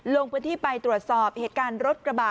ลงพื้นที่ไปตรวจสอบเหตุการณ์รถกระบะ